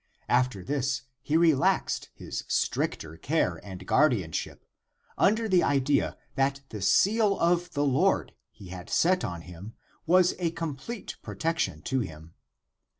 After this he relaxed his stricter care and guardianship, under the idea that the seal of the Lord he had set on him was a complete protection to him.